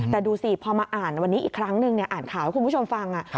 แต่ดูสิพอมาอ่านวันนี้อีกครั้งหนึ่งอ่านข่าวให้คุณผู้ชมฟัง